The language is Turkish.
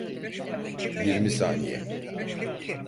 Yirmi saniye.